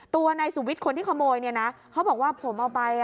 ตัวนายสุวิทย์คนที่ขโมยเนี่ยนะเขาบอกว่าผมเอาไป